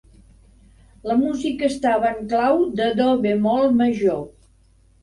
La música estava en clau de do bemoll major.